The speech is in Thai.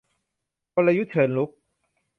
กลยุทธ์เชิงรุก